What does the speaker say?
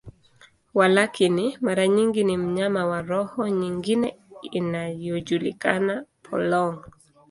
Walakini, mara nyingi ni mnyama wa roho nyingine inayojulikana, polong.